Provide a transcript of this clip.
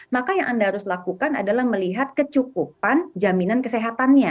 maka yang anda harus lakukan adalah melihat kecukupan jaminan kesehatannya